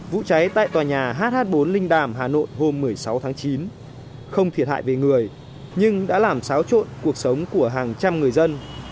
vụ cháy tại tòa nhà hh bốn linh đàm hà nội hôm một mươi sáu tháng chín không thiệt hại về người nhưng đã làm xáo trộn cuộc sống của hàng trăm người dân